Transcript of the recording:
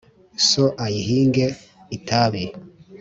so ayihinge itabi